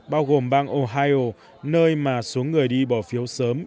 bao gồm bang ohio nơi mà số người đi bỏ phiếu sớm